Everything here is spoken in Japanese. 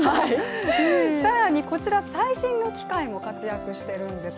更にこちら、最新の機械も活躍しているんです。